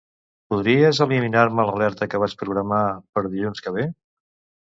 Podries eliminar-me l'alerta que vaig programar per dilluns que ve?